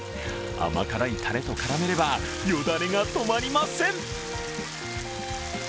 甘辛いたれと絡めれば、よだれが止まりません。